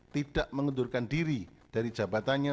tidak mengundurkan diri dari jabatannya